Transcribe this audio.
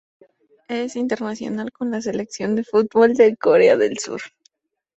Es internacional con la selección de fútbol de Corea del Sur.